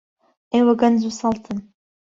ئێوە گەنج و سەڵتن.